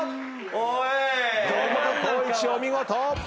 お見事！